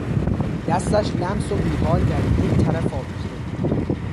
دستش لمس و بیحال در یک طرف آویخته بود.